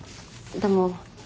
でも。